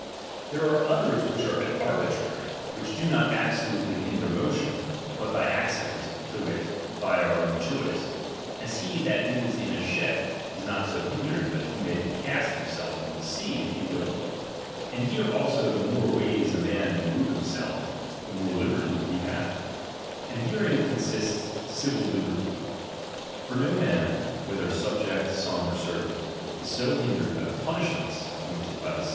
There are others which are arbi trary, which do not absolutely hinder motion, but by accident, to wit, by our own choice ; as he that is in a ship, is not so hindered but he may cast himself into the sea, if he will. And here also the more ways a man may move himself, the more liberty he hath. And herein consists civil liberty ; for no man, whether subject, son, or servant, is I so hindered by the punishments appointed by the chap.